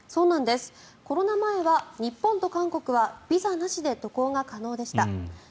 コロナ前は日本と韓国はビザなしで渡航が可能でした。